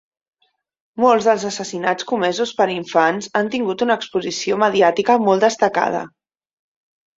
Molts dels assassinats comesos per infants han tingut una exposició mediàtica molt destacada.